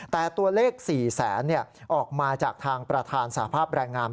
แต่ตัวเลข๔แสนออกมาจากทางประธานสภาพแรงงาม